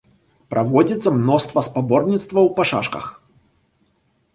Праводзіцца мноства спаборніцтваў па шашках.